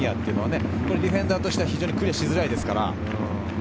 ディフェンダーとしてはプレーしづらいですから。